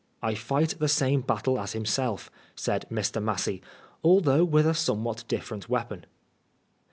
" I fight the same battle as himself," said Mr. Massey, "although with a somewhat different weapon."